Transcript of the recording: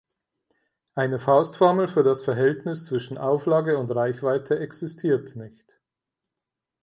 Eine Faustformel für das Verhältnis zwischen Auflage und Reichweite existiert nicht.